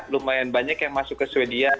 lumayan banyak yang masuk ke sweden